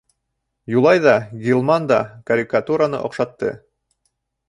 Юлай ҙа, Ғилман да карикатураны оҡшатты.